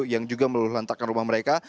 yang juga meluhantakan rumah mereka